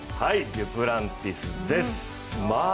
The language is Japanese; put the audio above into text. デュプランティスです